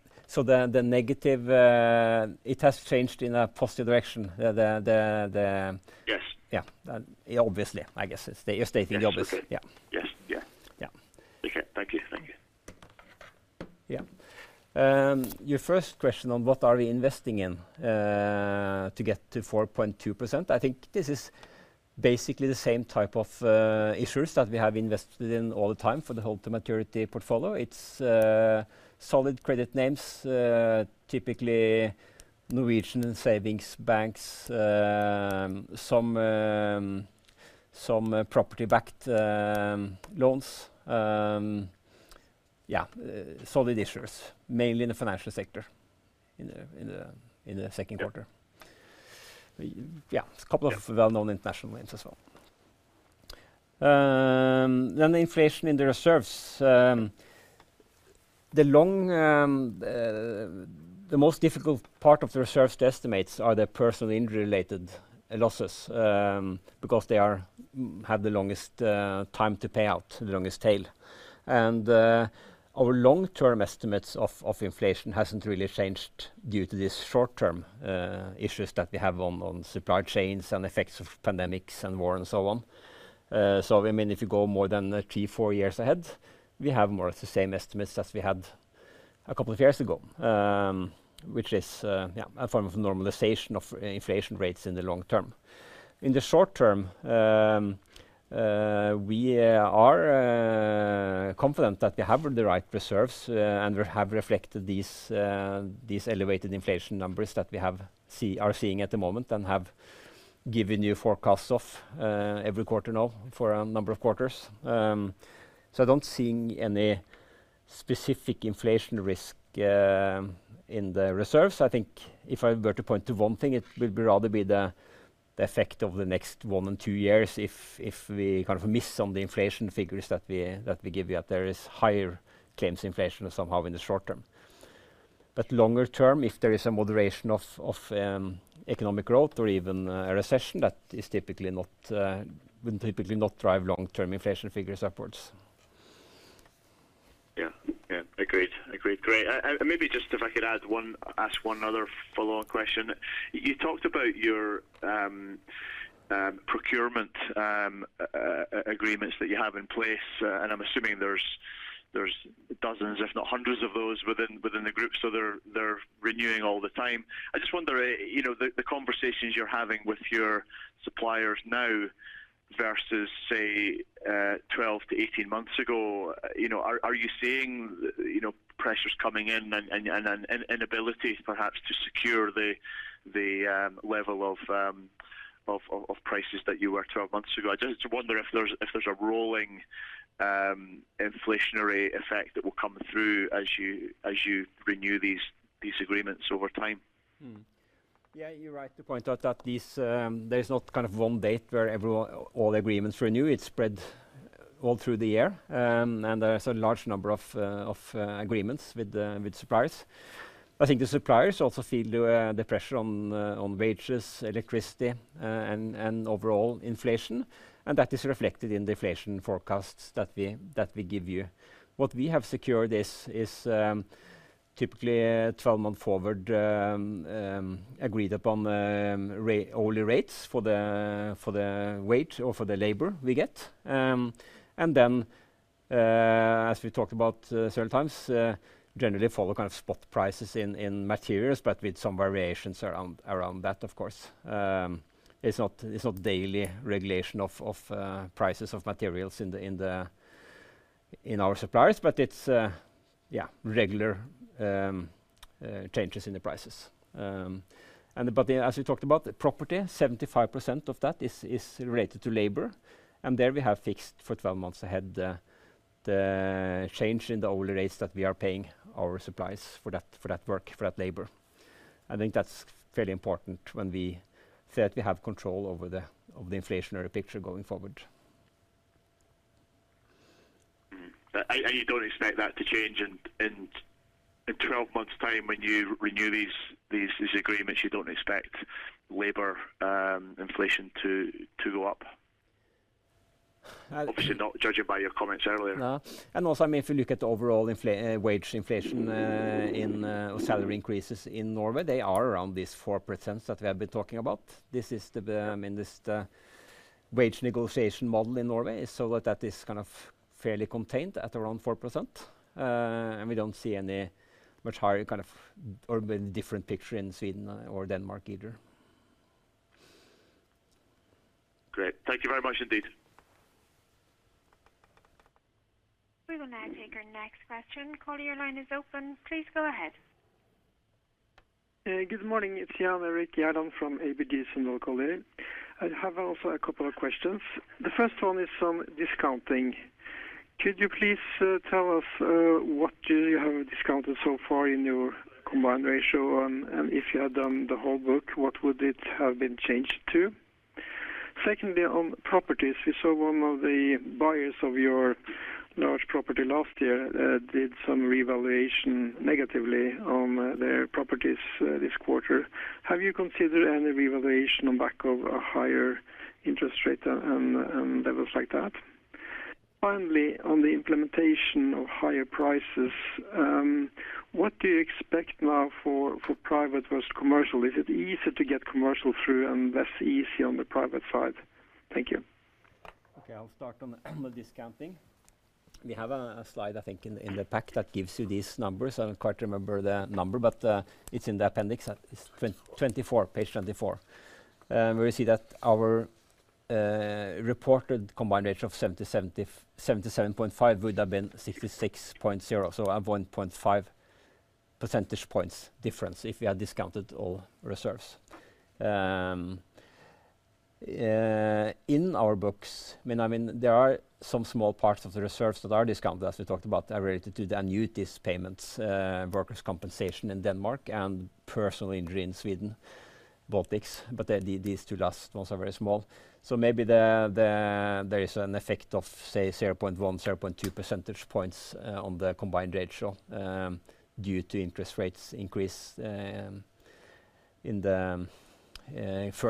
S4: The negative, it has changed in a positive direction.
S9: Yes.
S4: Yeah. Obviously, I guess. You're stating the obvious.
S9: Yes. Okay.
S4: Yeah.
S9: Yes. Yeah.
S4: Yeah.
S9: Okay. Thank you. Thank you.
S4: Yeah. Your first question on what are we investing in to get to 4.2%, I think this is basically the same type of issuers that we have invested in all the time for the hold to maturity portfolio. It's solid credit names, typically Norwegian savings banks, some property-backed loans. Yeah, solid issuers, mainly in the financial sector in the second quarter.
S9: Yeah.
S4: Yeah.
S9: Yeah.
S4: A couple of well-known international names as well. The inflation in the reserves, the most difficult part of the reserves to estimate are the personal injury related losses, because they have the longest time to pay out, the longest tail. Our long-term estimates of inflation hasn't really changed due to these short-term issues that we have on supply chains and effects of pandemics and war and so on. I mean, if you go more than 3-4 years ahead, we have more or less the same estimates as we had a couple of years ago, which is, yeah, a form of normalization of inflation rates in the long term. In the short term, we are confident that we have the right reserves, and we have reflected these elevated inflation numbers that we are seeing at the moment and have given you forecasts of every quarter now for a number of quarters. I don't see any specific inflation risk in the reserves. I think if I were to point to one thing, it would rather be the effect over the next one and two years if we kind of miss on the inflation figures that we give you, that there is higher claims inflation somehow in the short term. Longer term, if there is a moderation of economic growth or even a recession, that would typically not drive long-term inflation figures upwards.
S9: Yeah. Agreed. Great. Maybe just if I could ask one other follow-up question. You talked about your procurement agreements that you have in place, and I'm assuming there's dozens if not hundreds of those within the group, so they're renewing all the time. I just wonder, you know, the conversations you're having with your suppliers now versus, say, 12-18 months ago, you know, are you seeing, you know, pressures coming in and inability perhaps to secure the level of prices that you were 12 months ago? I just wonder if there's a rolling inflationary effect that will come through as you renew these agreements over time.
S4: Yeah, you're right to point out that there is not kind of one date where all the agreements renew. It's spread all through the year, and there's a large number of agreements with the suppliers. I think the suppliers also feel the pressure on wages, electricity, and overall inflation, and that is reflected in the inflation forecasts that we give you. What we have secured is typically a 12-month forward agreed upon hourly rates for the wage or for the labor we get. As we talked about several times, we generally follow kind of spot prices in materials, but with some variations around that, of course. It's not daily regulation of prices of materials from our suppliers, but it's regular changes in the prices. As we talked about the property, 75% of that is related to labor, and there we have fixed for 12 months ahead the change in the hourly rates that we are paying our suppliers for that labor. I think that's fairly important when we say that we have control over the inflationary picture going forward.
S9: You don't expect that to change in 12 months time when you renew these agreements. You don't expect labor inflation to go up?
S4: I think-
S9: Obviously not judging by your comments earlier.
S4: No. Also, I mean, if you look at overall wage inflation or salary increases in Norway, they are around this 4% that we have been talking about. This is the, I mean, the wage negotiation model in Norway is so that that is kind of fairly contained at around 4%. We don't see any much higher kind of or different picture in Sweden or Denmark either.
S9: Great. Thank you very much indeed.
S1: We will now take our next question. Caller, your line is open. Please go ahead.
S10: Good morning. It's Jan Erik Gjerland from ABG Sundal Collier. I have also a couple of questions. The first one is on discounting. Could you please tell us what you have discounted so far in your combined ratio, and if you had done the whole book, what would it have been changed to? Secondly, on properties, we saw one of the buyers of your large property last year did some revaluation negatively on their properties this quarter. Have you considered any revaluation on back of a higher interest rate and levels like that? Finally, on the implementation of higher prices, what do you expect now for private versus commercial? Is it easier to get commercial through and less easy on the private side? Thank you.
S4: I'll start on the discounting. We have a slide, I think, in the pack that gives you these numbers. I don't quite remember the number, but it's in the appendix. It's 24, page 24. Where you see that our reported combined ratio of 77.5 would have been 66.0. So a 1.5 percentage points difference if we had discounted all reserves. In our books, there are some small parts of the reserves that are discounted, as we talked about, are related to the annuities payments, workers' compensation in Denmark and personal injury in Sweden, Baltics, but these two last ones are very small. Maybe there is an effect of say 0.1, 0.2 percentage points on the combined ratio due to interest rates increase for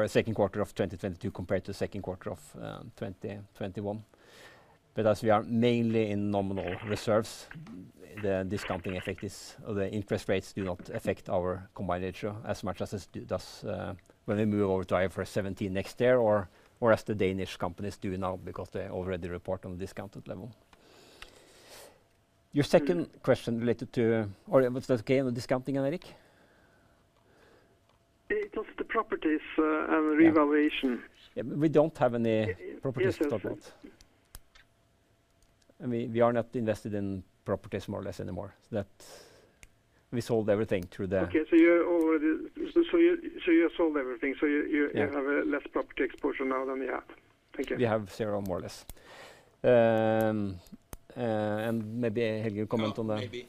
S4: a second quarter of 2022 compared to second quarter of 2021. As we are mainly in nominal reserves, the discounting effect is or the interest rates do not affect our combined ratio as much as does when we move over to IFRS 17 next year or as the Danish companies do now because they already report on the discounted level. Your second question related to or was that again on the discounting, Jan Erik?
S10: It was the properties.
S4: Yeah
S10: revaluation.
S4: Yeah. We don't have any.
S10: Yes
S4: Properties to talk about. I mean, we are not invested in properties more or less anymore. We sold everything through the-
S10: You sold everything, so you
S4: Yeah
S10: You have a less property exposure now than you had. Thank you.
S4: We have zero, more or less. Maybe Helge will comment on that.
S3: No, maybe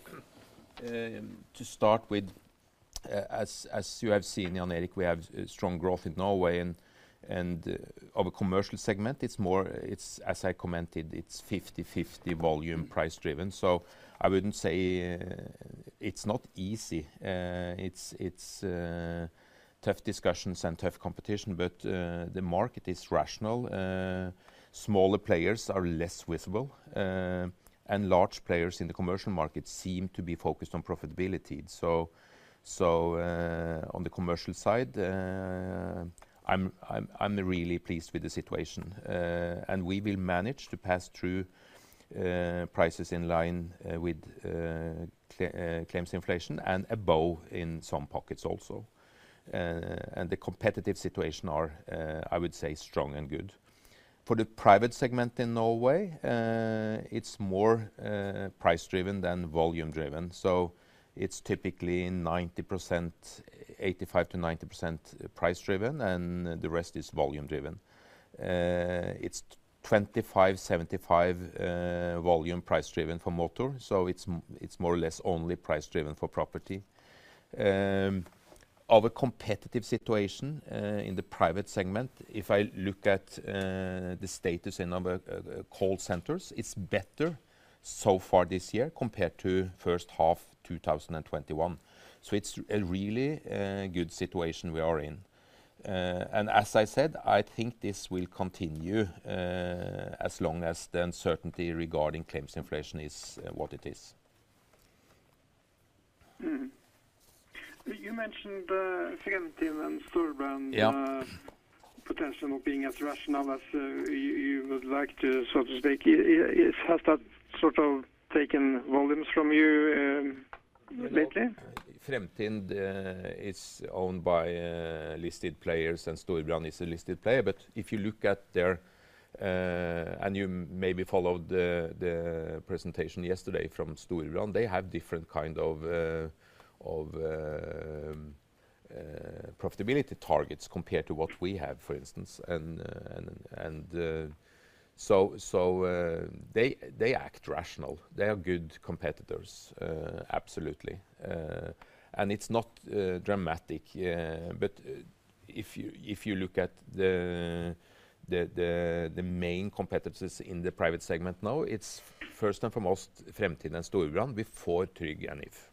S3: to start with, as you have seen, Jan Erik, we have strong growth in Norway and in the commercial segment. It's as I commented, it's 50-50 volume price driven. I wouldn't say it's not easy. It's tough discussions and tough competition, but the market is rational. Smaller players are less visible, and large players in the commercial market seem to be focused on profitability. On the commercial side, I'm really pleased with the situation. We will manage to pass through prices in line with claims inflation and above in some pockets also. The competitive situation are strong and good, I would say. For the private segment in Norway, it's more price driven than volume driven. It's typically 90%, 85%-90% price driven, and the rest is volume driven. It's 25, 75 volume price driven for motor, so it's more or less only price driven for property. In a competitive situation in the private segment, if I look at the status in our call centers, it's better so far this year compared to first half 2021. It's a really good situation we are in. I think this will continue as long as the uncertainty regarding claims inflation is what it is.
S10: Mm-hmm. You mentioned, Fremtind and Storebrand.
S3: Yeah
S10: potential of being as rational as you would like to, so to speak. Has that sort of taken volumes from you, lately?
S3: Fremtind is owned by listed players, and Storebrand is a listed player. If you look at their and you maybe followed the presentation yesterday from Storebrand, they have different kind of profitability targets compared to what we have, for instance. So they act rational. They are good competitors, absolutely. It's not dramatic, but if you look at the main competitors in the private segment now, it's first and foremost Fremtind and Storebrand before Tryg and If.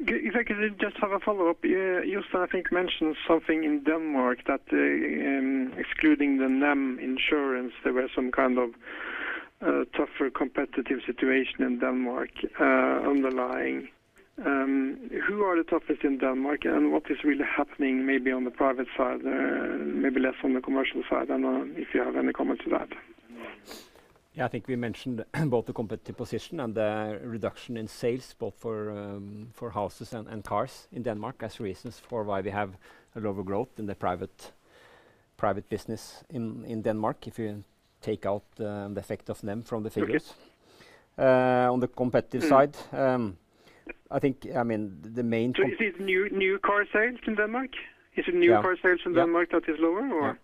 S10: If I could just have a follow-up. Jostein Amdal, I think, mentioned something in Denmark that, excluding the Nem Forsikring, there were some kind of tougher competitive situation in Denmark, underlying. Who are the toughest in Denmark, and what is really happening maybe on the private side, maybe less on the commercial side? I don't know if you have any comment to that.
S4: Yeah. I think we mentioned both the competitive position and the reduction in sales both for houses and cars in Denmark as reasons for why we have a lower growth in the private business in Denmark, if you take out the effect of Nem from the figures.
S10: Okay.
S4: On the competitive side-
S10: Mm.
S4: I think, I mean, the main
S10: Is it new car sales in Denmark?
S4: Yeah
S10: Car sales in Denmark that is lower or?
S4: Yeah.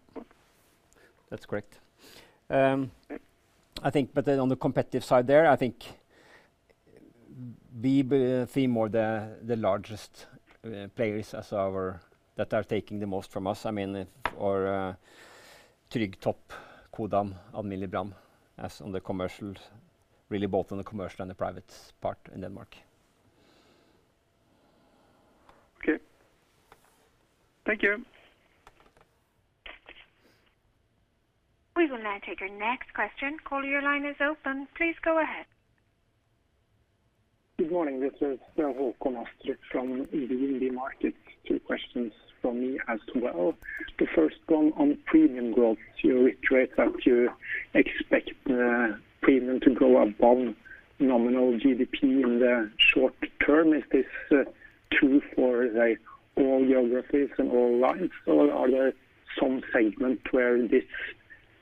S4: That's correct. I think on the competitive side there, I think we see more the largest players as our that are taking the most from us. I mean, our Tryg, Topdanmark, Codan, Alm. Brand as on the commercial, really both on the commercial and the private part in Denmark.
S10: Okay. Thank you.
S1: We will now take your next question. Caller, your line is open. Please go ahead.
S11: Good morning. This is Håkon Astrup from DNB Markets. Two questions from me as well. The first one on premium growth. You reiterate that you expect premium to grow above nominal GDP in the short term. Is this true for, like, all geographies and all lines, or are there some segment where this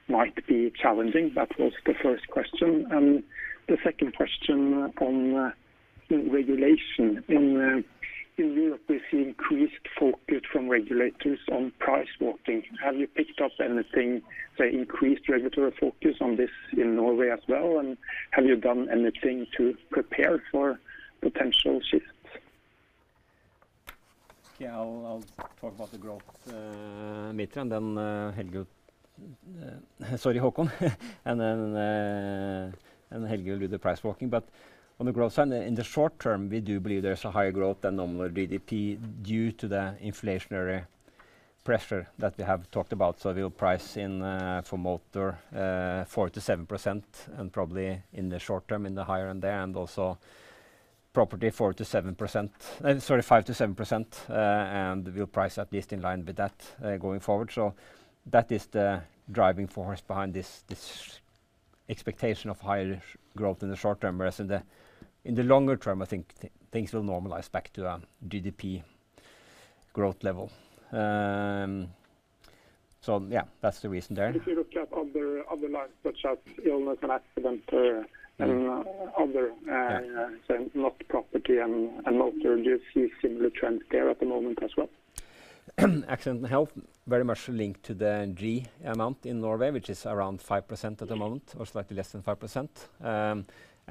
S11: might be challenging? That was the first question. The second question on regulation. In Europe, we see increased focus from regulators on price walking. Have you picked up anything, say, increased regulatory focus on this in Norway as well, and have you done anything to prepare for potential shift?
S4: Okay. I'll talk about the growth motor, and then Helge will. Sorry, Håkon. And then Helge will do the price walking. On the growth side, in the short term, we do believe there's a higher growth than normal GDP due to the inflationary pressure that we have talked about. We'll price in for motor 4%-7%, and probably in the short term in the higher end there, and also property 4%-7%. Sorry, 5%-7%. And we'll price at least in line with that going forward. That is the driving force behind this expectation of higher growth in the short term. Whereas in the longer term, I think things will normalize back to GDP growth level. Yeah, that's the reason there.
S11: If you look at other lines such as illness and accident, and other, say not property and motor, do you see similar trends there at the moment as well?
S4: Accident and health, very much linked to the G amount in Norway, which is around 5% at the moment, or slightly less than 5%.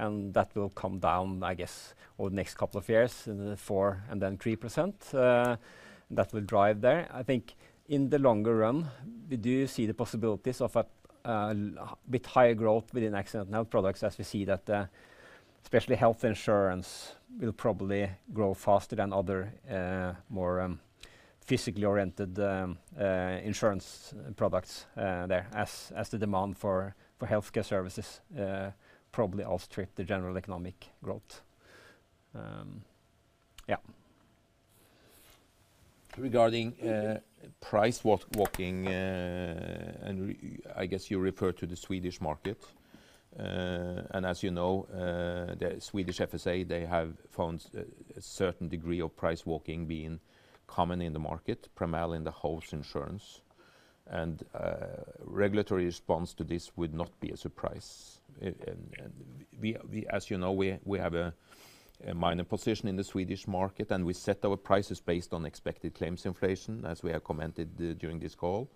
S4: That will come down, I guess, over the next couple of years, 4% and then 3%, that will drive there. I think in the longer run, we do see the possibilities of a bit higher growth within accident and health products as we see that, especially health insurance will probably grow faster than other, more physically oriented insurance products there. As the demand for healthcare services probably outstrip the general economic growth.
S3: Regarding price walking, I guess you refer to the Swedish market. As you know, the Swedish FSA, they have found a certain degree of price walking being common in the market, primarily in the house insurance. Regulatory response to this would not be a surprise. We have a minor position in the Swedish market, and we set our prices based on expected claims inflation, as we have commented during this call.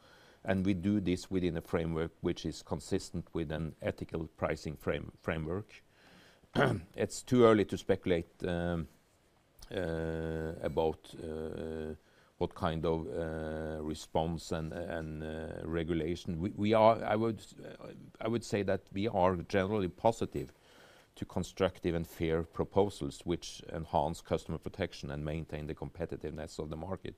S3: We do this within a framework which is consistent with an ethical pricing framework. It's too early to speculate about what kind of response and regulation. I would say that we are generally positive to constructive and fair proposals which enhance customer protection and maintain the competitiveness of the market.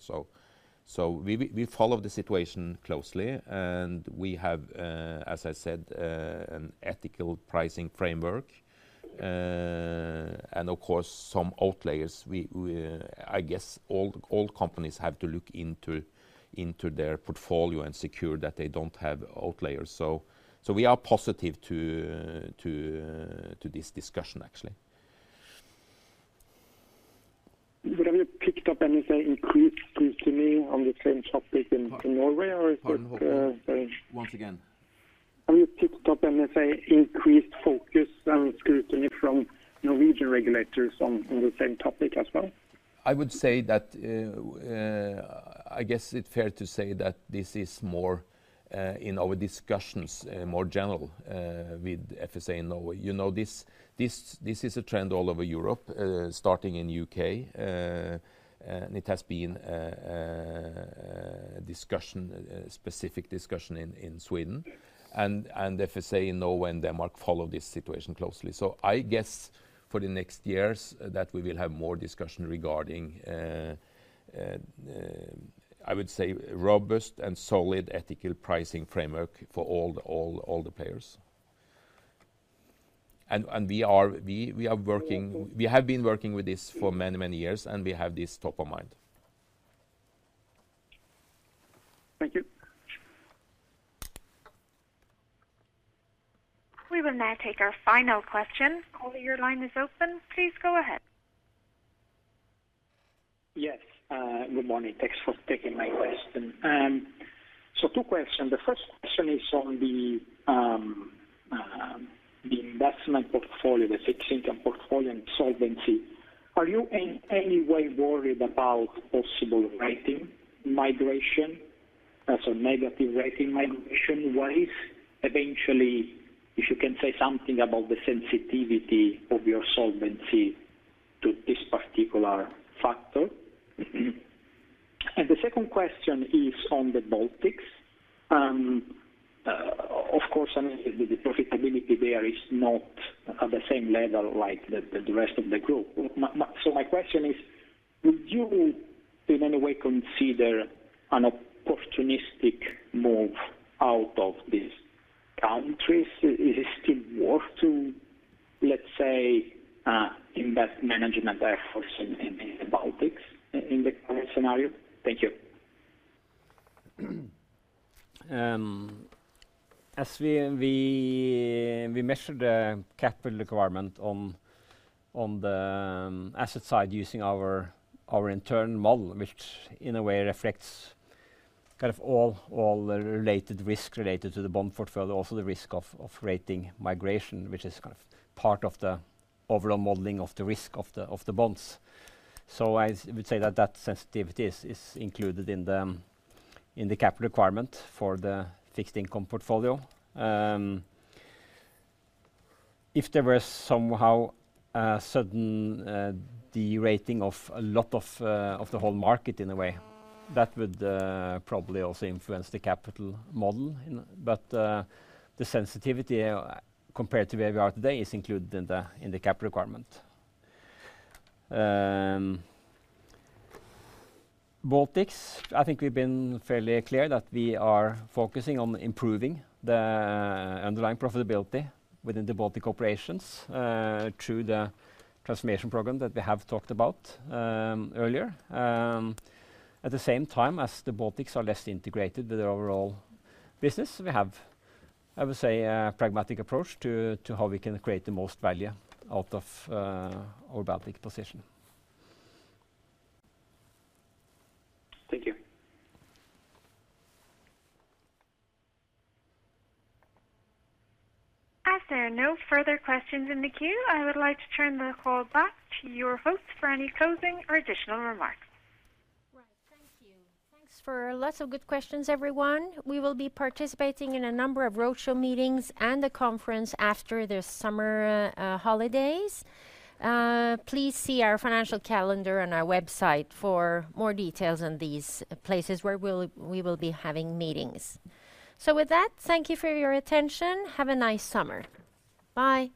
S3: We follow the situation closely and we have, as I said, an ethical pricing framework. I guess all companies have to look into their portfolio and secure that they don't have outliers. We are positive to this discussion actually.
S11: Have you picked up any, say, increased scrutiny on the same topic in Norway? Or is it
S3: Pardon, Håkon. Once again.
S11: Have you picked up any, say, increased focus and scrutiny from Norwegian regulators on the same topic as well?
S3: I would say that, I guess it's fair to say that this is more in our discussions, more general, with FSA in Norway. You know, this is a trend all over Europe, starting in U.K. It has been a discussion, a specific discussion in Sweden. FSA in Norway and Denmark follow this situation closely. I guess for the next years that we will have more discussion regarding, I would say robust and solid ethical pricing framework for all the players. We have been working with this for many years, and we have this top of mind.
S11: Thank you.
S1: We will now take our final question. Caller, your line is open. Please go ahead.
S12: Yes, good morning. Thanks for taking my question. Two questions. The first question is on the investment portfolio, the fixed income portfolio and solvency. Are you in any way worried about possible rating migration? Negative rating migration wise, eventually, if you can say something about the sensitivity of your solvency to this particular factor. The second question is on the Baltics. Of course, I mean, the profitability there is not at the same level like the rest of the group. My question is, would you in any way consider an opportunistic move out of these countries? Is it still worth to, let's say, invest management efforts in the Baltics in the current scenario? Thank you.
S4: As we measure the capital requirement on the asset side using our internal model, which in a way reflects kind of all the related risk related to the bond portfolio, also the risk of rating migration, which is kind of part of the overall modeling of the risk of the bonds. I would say that sensitivity is included in the capital requirement for the fixed income portfolio. If there were somehow a sudden de-rating of a lot of the whole market in a way, that would probably also influence the capital model. But the sensitivity compared to where we are today is included in the capital requirement. Baltics, I think we've been fairly clear that we are focusing on improving the underlying profitability within the Baltic operations, through the transformation program that we have talked about earlier. At the same time, as the Baltics are less integrated with the overall business, we have, I would say, a pragmatic approach to how we can create the most value out of our Baltic position.
S12: Thank you.
S1: As there are no further questions in the queue, I would like to turn the call back to your host for any closing or additional remarks.
S2: Right. Thank you. Thanks for lots of good questions, everyone. We will be participating in a number of roadshow meetings and a conference after the summer holidays. Please see our financial calendar on our website for more details on these places where we will be having meetings. With that, thank you for your attention. Have a nice summer. Bye.